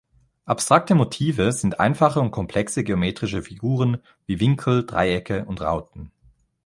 Abstrakte Motive sind einfache und komplexe geometrische Figuren wie Winkel, Dreiecke und Rauten.